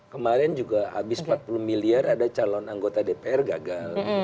kemarin juga habis empat puluh miliar ada calon anggota dpr gagal